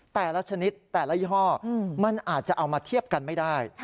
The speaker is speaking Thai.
แต่ละชนิดแต่ละยี่ห้อมันอาจจะเอามาเทียบกันไม่ได้